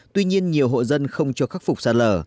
tuy nhiên nhiều hộ dân không cho khắc phục sạt lở